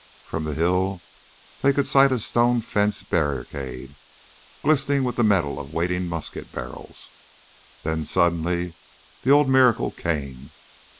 From the hill they could sight a stone fence barricade glistening with the metal of waiting musket barrels. Then, suddenly, the old miracle came.